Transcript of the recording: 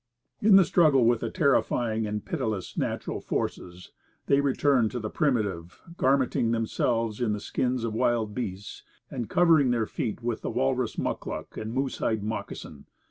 In the struggle with the terrifying and pitiless natural forces, they returned to the primitive, garmenting themselves in the skins of wild beasts, and covering their feet with the walrus mucluc and the moosehide moccasin.